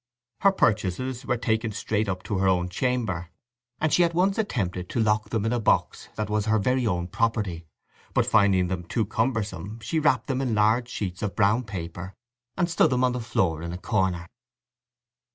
Her purchases were taken straight up to her own chamber, and she at once attempted to lock them in a box that was her very own property; but finding them too cumbersome she wrapped them in large sheets of brown paper, and stood them on the floor in a corner.